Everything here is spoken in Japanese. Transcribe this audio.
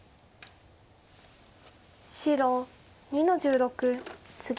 白２の十六ツギ。